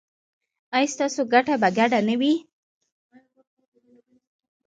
ایا ستاسو ګټه به ګډه نه وي؟